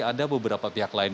ada beberapa pihak lain